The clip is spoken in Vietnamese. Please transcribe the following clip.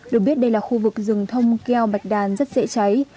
được biết đây là khu vực rừng thông keo bạch đàn rất dễ cháy